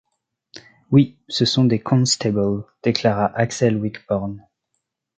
Oui... ce sont des constables... déclara Axel Wickborn.